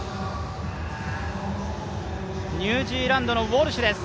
ニュージーランドのウォルシュです。